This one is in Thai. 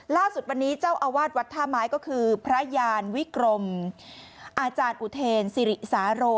ล่าสุดวันนี้เจ้าอาวาสวัดท่าไม้ก็คือพระยานวิกรมอาจารย์อุเทนสิริสาโร